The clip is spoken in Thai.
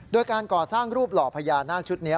โดยการก่อสร้างรูปหล่อพญานาคชุดนี้